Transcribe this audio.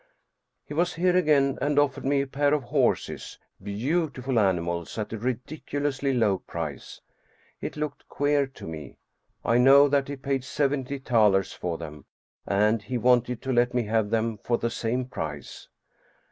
He was here again and offered me a pair of horses beautiful animals at a ridiculously low price. It looked queer to me. I know that he paid seventy thalers for them, and he wanted to let me have them for the same price.